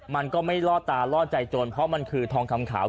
มันก็ไม่ล่อตาล่อใจโจรเพราะมันคือทองคำขาว